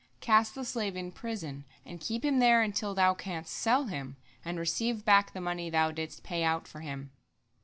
Cast the slave in prison and keep him there until thou canst sell him, and receive back the money thou didst pay out for him."